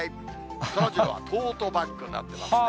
そらジローはトートバッグになってますね。